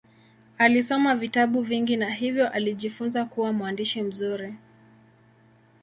Alisoma vitabu vingi na hivyo alijifunza kuwa mwandishi mzuri.